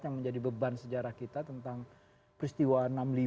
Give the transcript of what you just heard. yang menjadi beban sejarah kita tentang peristiwa enam puluh lima